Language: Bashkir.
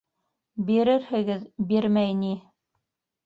— Бирерһегеҙ, бирмәй ни.